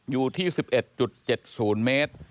อยู่ที่๑๑๗๐เมตร